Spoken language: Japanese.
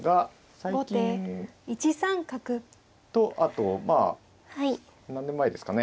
最近とあとまあ何年前ですかね。